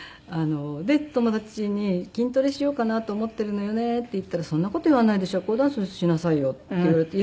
で友達に「筋トレしようかなと思ってるのよね」って言ったら「そんな事言わないで社交ダンスしなさいよ」って言われて。